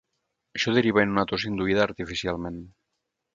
Això deriva en una tos induïda artificialment.